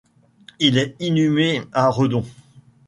Il est inhumé à Redon.